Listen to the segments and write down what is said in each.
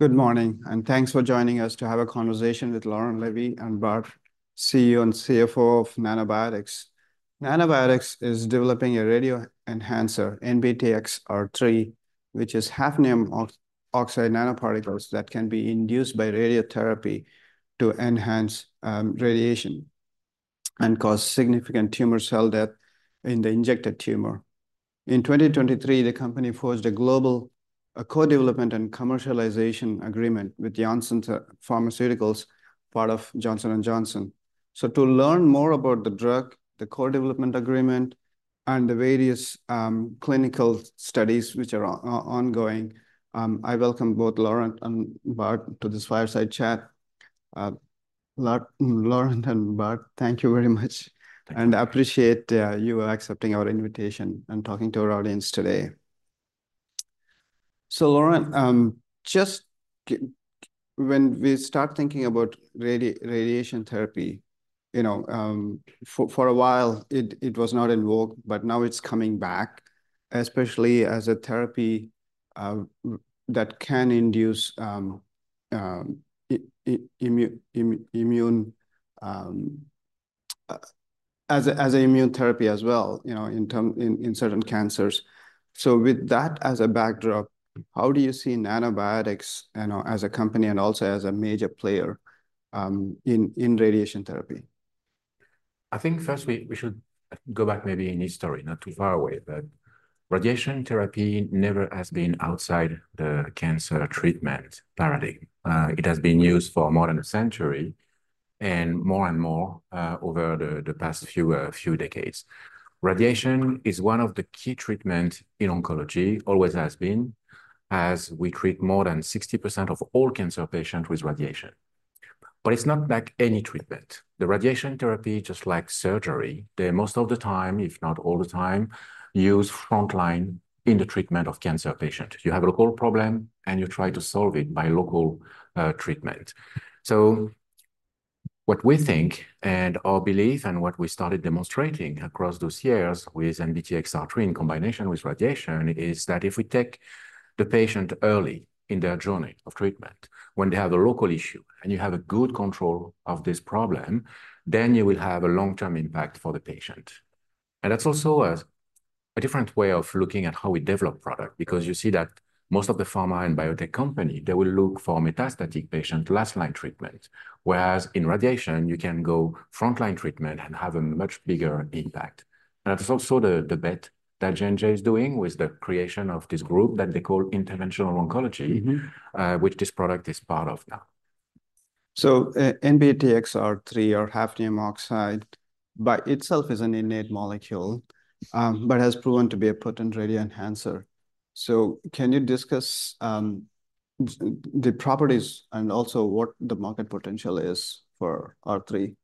Good morning, and thanks for joining us to have a conversation with Laurent Lévy and Bart, CEO and CFO of Nanobiotix. Nanobiotix is developing a radio enhancer, NBTXR3, which is hafnium oxide nanoparticles that can be induced by radiotherapy to enhance radiation, and cause significant tumor cell death in the injected tumor. In 2023, the company forged a global co-development and commercialization agreement with Janssen Pharmaceuticals, part of Johnson & Johnson. So to learn more about the drug, the co-development agreement, and the various clinical studies which are ongoing, I welcome both Laurent and Bart to this fireside chat. Laurent and Bart, thank you very much, and appreciate you accepting our invitation and talking to our audience today. So, Laurent, just when we start thinking about radiation therapy, you know, for a while, it was not in vogue, but now it's coming back, especially as a therapy that can induce immune as a immune therapy as well, you know, in certain cancers. So with that as a backdrop, how do you see Nanobiotix, you know, as a company and also as a major player in radiation therapy? I think first we should go back maybe in history, not too far away, but radiation therapy never has been outside the cancer treatment paradigm. It has been used for more than a century, and more and more over the past few decades. Radiation is one of the key treatment in oncology, always has been, as we treat more than 60% of all cancer patient with radiation. But it's not like any treatment. The radiation therapy, just like surgery, they most of the time, if not all the time, use frontline in the treatment of cancer patient. You have a local problem, and you try to solve it by local treatment. So what we think, and our belief and what we started demonstrating across those years with NBTXR3 in combination with radiation, is that if we take the patient early in their journey of treatment, when they have a local issue, and you have a good control of this problem, then you will have a long-term impact for the patient. And that's also a different way of looking at how we develop product, because you see that most of the pharma and biotech company, they will look for metastatic patient last-line treatment, whereas in radiation, you can go frontline treatment and have a much bigger impact. And it's also the bet that J&J is doing with the creation of this group that they call Interventional Oncology- Mm-hmm... which this product is part of now. So, NBTXR3, or hafnium oxide, by itself is an inert molecule, but has proven to be a potent radio enhancer. So can you discuss the properties and also what the market potential is for R3?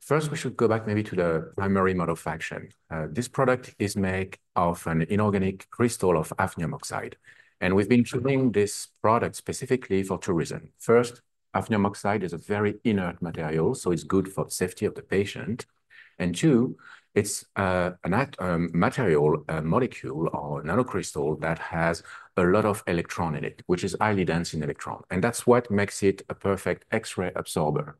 First, we should go back maybe to the primary mode of action. This product is made of an inorganic crystal of hafnium oxide, and we've been choosing this product specifically for two reason. First, hafnium oxide is a very inert material, so it's good for safety of the patient. And two, it's an material, a molecule or nanocrystal that has a lot of electron in it, which is highly dense in electron, and that's what makes it a perfect X-ray absorber.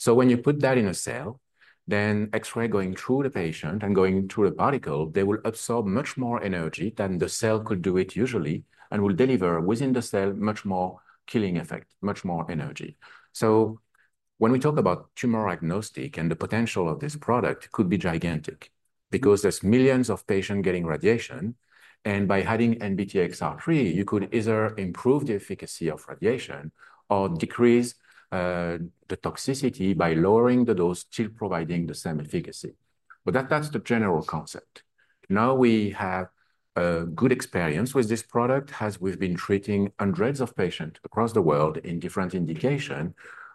So when you put that in a cell, then X-ray going through the patient and going through the particle, they will absorb much more energy than the cell could do it usually, and will deliver within the cell much more killing effect, much more energy. So when we talk about tumor-agnostic, and the potential of this product could be gigantic, because there's millions of patient getting radiation, and by adding NBTXR3, you could either improve the efficacy of radiation or decrease the toxicity by lowering the dose, still providing the same efficacy. But that, that's the general concept. Now, we have a good experience with this product, as we've been treating hundreds of patient across the world in different indication.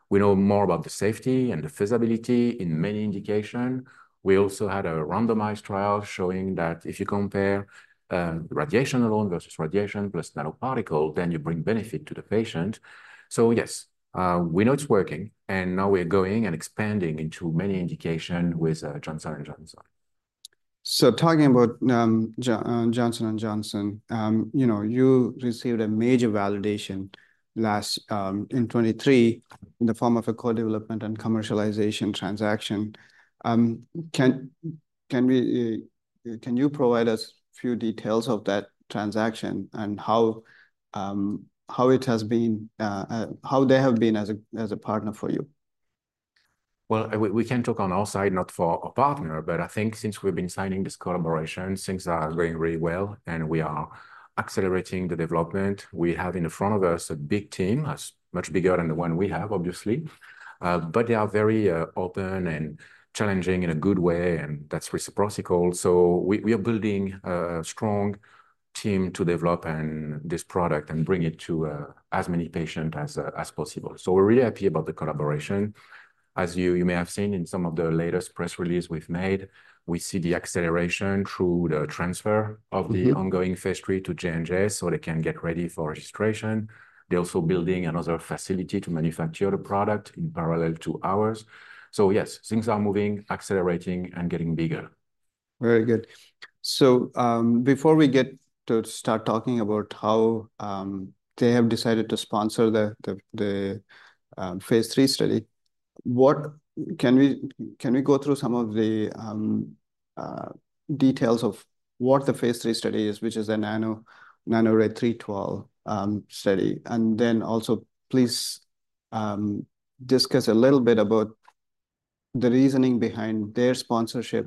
We know more about the safety and the feasibility in many indication. We also had a randomized trial showing that if you compare radiation alone versus radiation plus nanoparticle, then you bring benefit to the patient. So yes, we know it's working, and now we're going and expanding into many indication with Johnson & Johnson. Talking about Johnson & Johnson, you know, you received a major validation last in 2023 in the form of a co-development and commercialization transaction. Can you provide us a few details of that transaction, and how it has been, how they have been as a partner for you? We can talk on our side, not for our partner, but I think since we've been signing this collaboration, things are going really well, and we are accelerating the development. We have in front of us a big team, a much bigger than the one we have, obviously. But they are very open and challenging in a good way, and that's reciprocal. So we are building a strong team to develop and this product and bring it to as many patients as possible. So we're really happy about the collaboration. As you may have seen in some of the latest press releases we've made, we see the acceleration through the transfer of the- Mm-hmm... ongoing phase III to J&J so they can get ready for registration. They're also building another facility to manufacture the product in parallel to ours. So yes, things are moving, accelerating, and getting bigger. Very good. So, before we get to start talking about how they have decided to sponsor the phase III study, what can we go through some of the details of what the phase III study is, which is a NANORAY-312 study? And then also, please, discuss a little bit about the reasoning behind their sponsorship,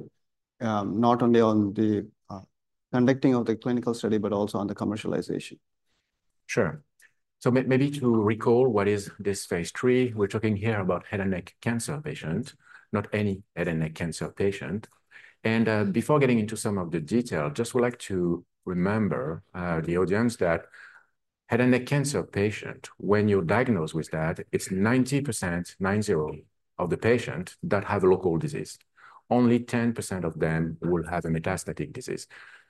not only on the conducting of the clinical study, but also on the commercialization. Sure, so maybe to recall what is this phase III, we're talking here about head and neck cancer patient, not any head and neck cancer patient, and before getting into some of the detail, just would like to remember the audience that head and neck cancer patient, when you're diagnosed with that, it's 90%, nine-zero, of the patient that have a local disease. Only 10% of them will have a metastatic disease,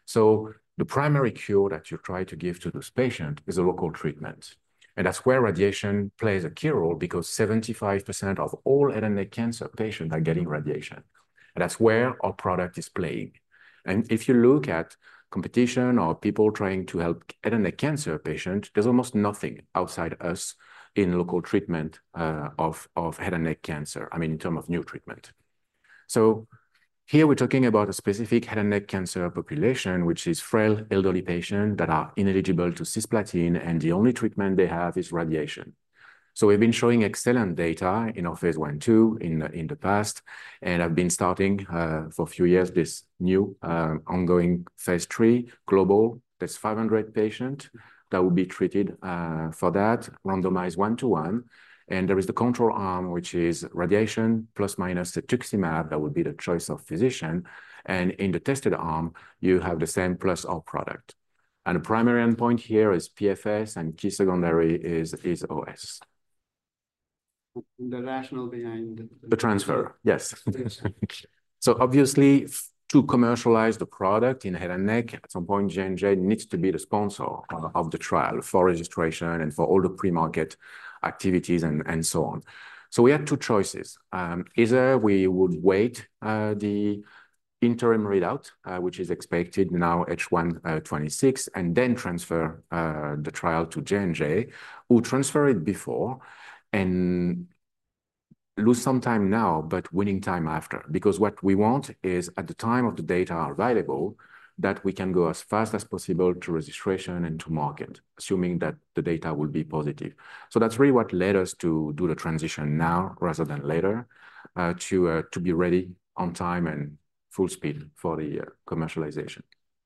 so the primary cure that you try to give to this patient is a local treatment, and that's where radiation plays a key role, because 75% of all head and neck cancer patients are getting radiation, and that's where our product is playing. And if you look at competition or people trying to help head and neck cancer patient, there's almost nothing outside us in local treatment of head and neck cancer, I mean, in term of new treatment. So here we're talking about a specific head and neck cancer population, which is frail, elderly patient that are ineligible to cisplatin, and the only treatment they have is radiation. So we've been showing excellent data in our phase I, II in the past, and have been starting for a few years this new ongoing phase III global. There's 500 patient that will be treated for that, randomized one-to-one. And there is the control arm, which is radiation ± cetuximab, that would be the choice of physician. And in the tested arm, you have the same plus our product. The primary endpoint here is PFS, and key secondary is OS. The rationale behind- The transfer, yes. Yes. So obviously, to commercialize the product in head and neck, at some point, J&J needs to be the sponsor of the trial for registration and for all the pre-market activities, and so on. So we had two choices. Either we would wait the interim readout, which is expected now, H1 2026, and then transfer the trial to J&J, or transfer it before and lose some time now, but winning time after. Because what we want is, at the time of the data are available, that we can go as fast as possible to registration and to market, assuming that the data will be positive. So that's really what led us to do the transition now rather than later, to be ready on time and full speed for the commercialization.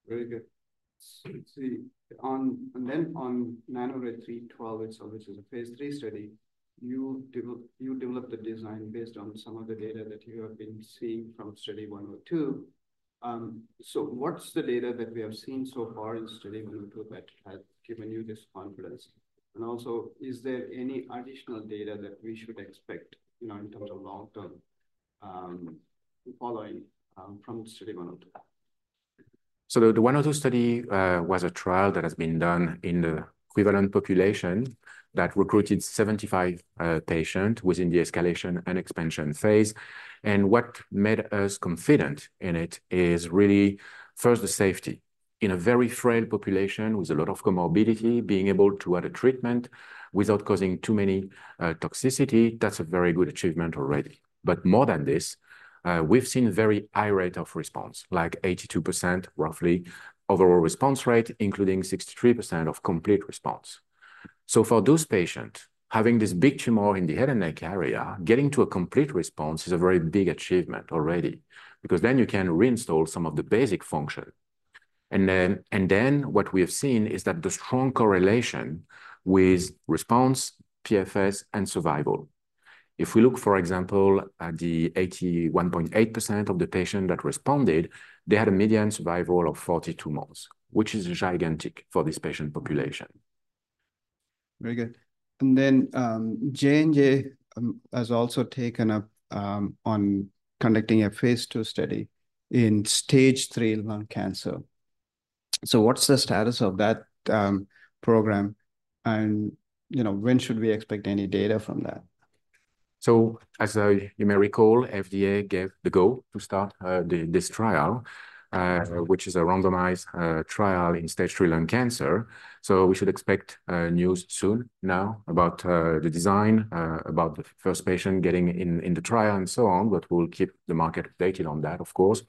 Very good. So let's see, and then on NANORAY-312, so which is a phase III study, you developed the design based on some of the data that you have been seeing from Study 102. So what's the data that we have seen so far in Study 102 that has given you this confidence? And also, is there any additional data that we should expect, you know, in terms of long-term following from Study 102? The 102 study was a trial that has been done in the equivalent population that recruited 75 patients within the escalation and expansion phase. What made us confident in it is really first the safety. In a very frail population with a lot of comorbidity, being able to add a treatment without causing too many toxicity, that's a very good achievement already. More than this, we've seen very high rate of response, like 82% roughly overall response rate, including 63% of complete response. For those patient, having this big tumor in the head and neck area, getting to a complete response is a very big achievement already, because then you can reinstall some of the basic function. Then what we have seen is the strong correlation with response, PFS, and survival. If we look, for example, at the 81.8% of the patient that responded, they had a median survival of 42 months, which is gigantic for this patient population. Very good. And then, J&J has also taken up on conducting a phase II study in stage three lung cancer. So what's the status of that program? And, you know, when should we expect any data from that? As you may recall, FDA gave the go-ahead to start this trial, which is a randomized trial in stage three lung cancer. We should expect news soon now about the design, about the first patient getting in the trial and so on, but we'll keep the market updated on that, of course.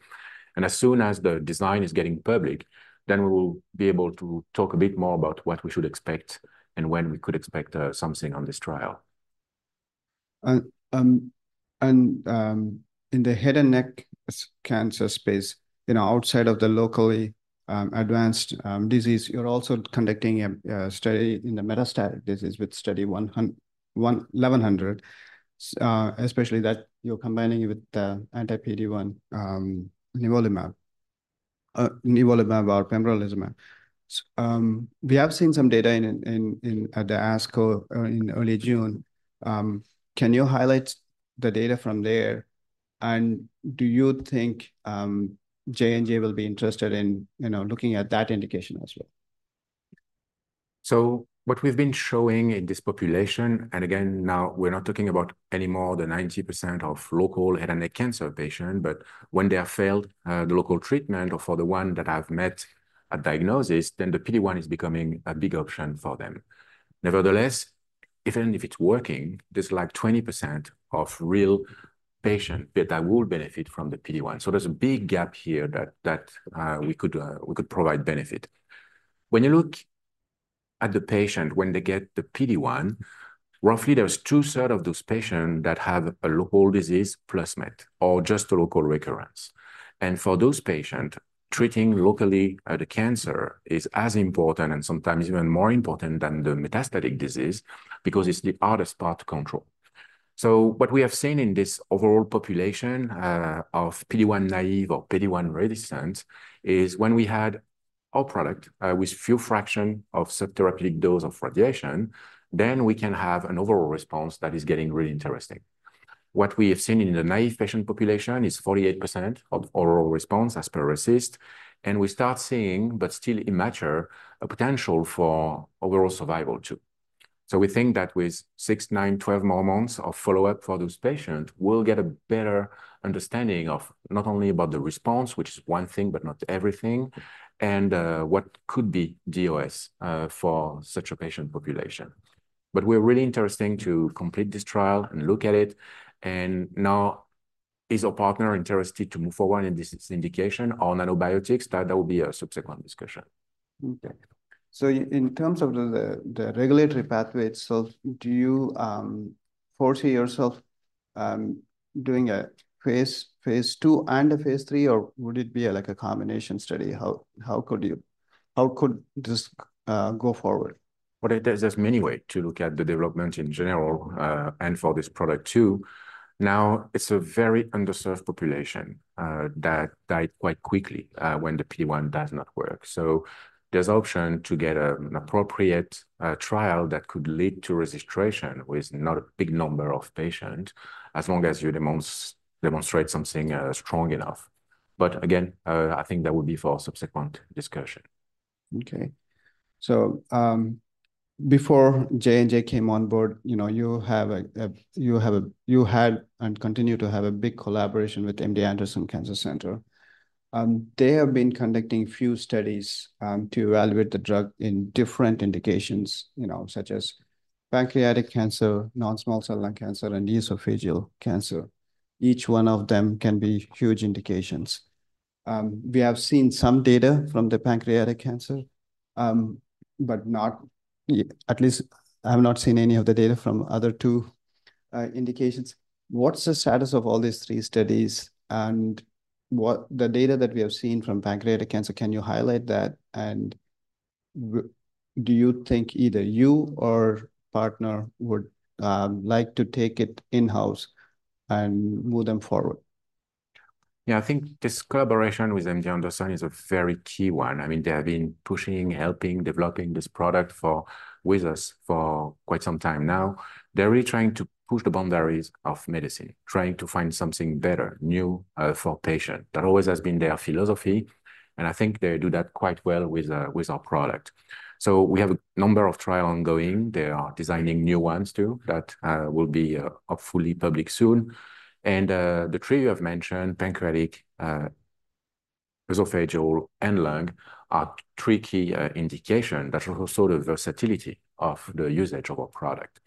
As soon as the design is getting public, then we will be able to talk a bit more about what we should expect and when we could expect something on this trial. In the head and neck cancer space, you know, outside of the locally advanced disease, you're also conducting a study in the metastatic disease with Study 1100, especially that you're combining with the anti-PD-1 nivolumab or pembrolizumab. We have seen some data at the ASCO in early June. Can you highlight the data from there, and do you think J&J will be interested in, you know, looking at that indication as well? So what we've been showing in this population, and again, now we're not talking about any more than 90% of local head and neck cancer patients, but when they have failed the local treatment, or for the ones that have metastatic diagnosis, then the PD-1 is becoming a big option for them. Nevertheless, even if it's working, there's like 20% of real patients that we could provide benefit. When you look at the patients when they get the PD-1, roughly there's 2/3 of those patients that have a local disease plus mets, or just a local recurrence. And for those patients, treating locally the cancer is as important, and sometimes even more important, than the metastatic disease because it's the hardest part to control. So what we have seen in this overall population of PD-1 naive or PD-1 resistant is when we had our product with few fraction of subtherapeutic dose of radiation, then we can have an overall response that is getting really interesting. What we have seen in the naive patient population is 48% overall response as per RECIST, and we start seeing, but still immature, a potential for overall survival too. We think that with six, nine, 12 more months of follow-up for those patients, we'll get a better understanding of not only about the response, which is one thing, but not everything, and what could be OS for such a patient population. But we're really interested to complete this trial and look at it, and now is our partner interested to move forward in this indication for Nanobiotix? That will be a subsequent discussion. Okay. So in terms of the regulatory pathway itself, do you foresee yourself doing a phase II and a phase III, or would it be, like, a combination study? How could this go forward? There's many way to look at the development in general, and for this product too. Now, it's a very underserved population that die quite quickly when the PD-1 does not work. So there's option to get an appropriate trial that could lead to registration with not a big number of patient, as long as you demonstrate something strong enough. But again, I think that would be for subsequent discussion. Okay. So, before J&J came on board, you know, you had and continue to have a big collaboration with MD Anderson Cancer Center. They have been conducting few studies to evaluate the drug in different indications, you know, such as pancreatic cancer, non-small cell lung cancer, and esophageal cancer. Each one of them can be huge indications. We have seen some data from the pancreatic cancer, but not. At least I have not seen any of the data from other two indications. What's the status of all these three studies, and what the data that we have seen from pancreatic cancer, can you highlight that? And do you think either you or partner would like to take it in-house and move them forward? Yeah, I think this collaboration with MD Anderson is a very key one. I mean, they have been pushing, helping, developing this product for with us for quite some time now. They're really trying to push the boundaries of medicine, trying to find something better, new, for patient. That always has been their philosophy, and I think they do that quite well with our product. So we have a number of trial ongoing. They are designing new ones, too, that will be hopefully public soon. The three you have mentioned, pancreatic, esophageal, and lung, are tricky indication. That's also the versatility of the usage of our product.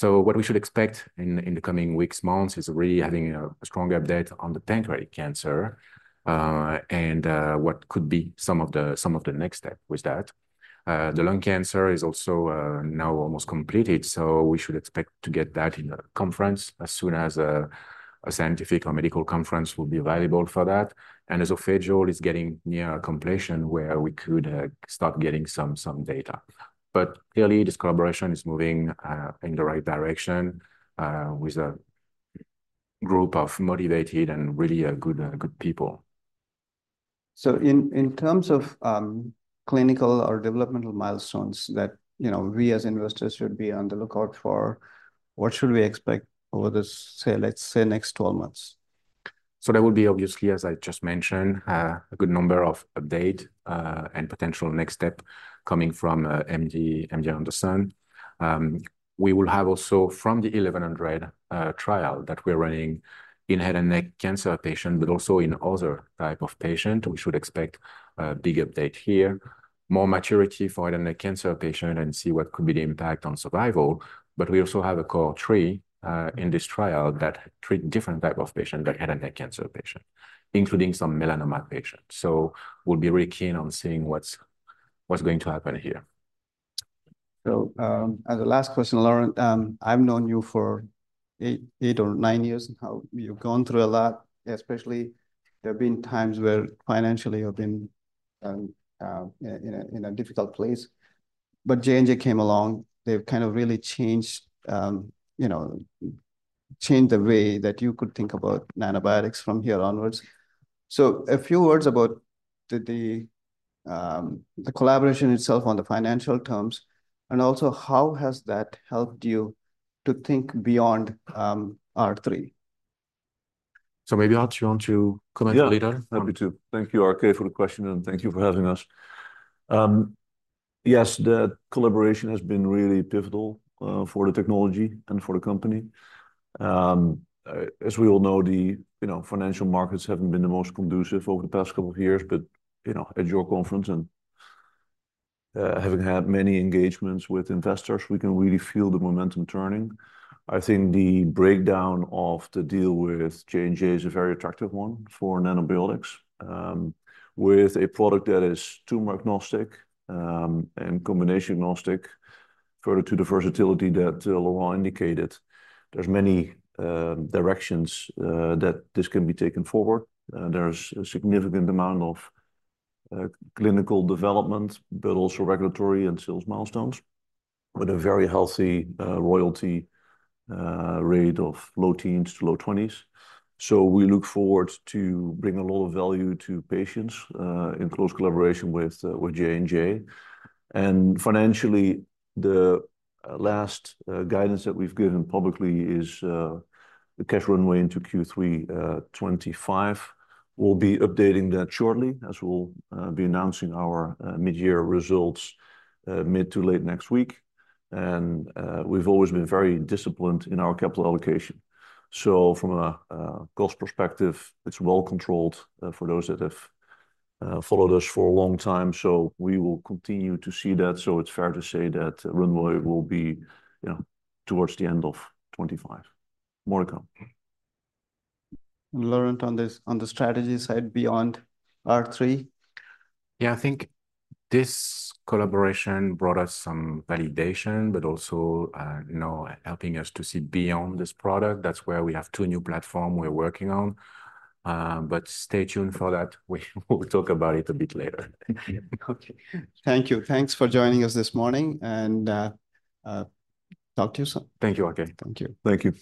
What we should expect in the coming weeks, months, is really having a strong update on the pancreatic cancer and what could be some of the next step with that. The lung cancer is also now almost completed, so we should expect to get that in a conference as soon as a scientific or medical conference will be available for that, and esophageal is getting near completion, where we could start getting some data, but clearly, this collaboration is moving in the right direction with a group of motivated and really good people. So in terms of, clinical or developmental milestones that, you know, we as investors should be on the lookout for, what should we expect over this, say, let's say, next twelve months? There will be, obviously, as I just mentioned, a good number of update and potential next step coming from MD Anderson. We will have also from the 1100 trial that we're running in head and neck cancer patient, but also in other type of patient; we should expect a big update here. More maturity for head and neck cancer patient and see what could be the impact on survival, but we also have a cohort 3 in this trial that treat different type of patient than head and neck cancer patient, including some melanoma patient. We'll be really keen on seeing what's going to happen here. So, as a last question, Laurent, I've known you for eight or nine years, and how you've gone through a lot, especially there have been times where financially you've been in a difficult place. But J&J came along, they've kind of really changed, you know, changed the way that you could think about Nanobiotix from here onwards. So a few words about the collaboration itself on the financial terms, and also how has that helped you to think beyond R3? So maybe, Bart, you want to comment later? Yeah, happy to. Thank you, RK, for the question, and thank you for having us. Yes, the collaboration has been really pivotal for the technology and for the company. As we all know, the, you know, financial markets haven't been the most conducive over the past couple of years, but, you know, at your conference and having had many engagements with investors, we can really feel the momentum turning. I think the breakdown of the deal with J&J is a very attractive one for Nanobiotix. With a product that is tumor-agnostic and combination-agnostic, further to the versatility that Laurent indicated, there's many directions that this can be taken forward. There's a significant amount of clinical development, but also regulatory and sales milestones, with a very healthy royalty rate of low teens to low twenties. So we look forward to bringing a lot of value to patients in close collaboration with J&J. And financially, the last guidance that we've given publicly is the cash runway into Q3 2025. We'll be updating that shortly, as we'll be announcing our mid-year results mid to late next week. And we've always been very disciplined in our capital allocation. So from a cost perspective, it's well controlled for those that have followed us for a long time, so we will continue to see that. So it's fair to say that runway will be, you know, towards the end of 2025. More to come. Laurent, on the strategy side beyond R3? Yeah, I think this collaboration brought us some validation, but also, you know, helping us to see beyond this product. That's where we have two new platform we're working on. But stay tuned for that. We will talk about it a bit later. Okay. Thank you. Thanks for joining us this morning, and talk to you soon. Thank you, RK. Thank you. Thank you.